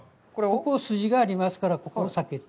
ここ筋がありますから、これを避けて。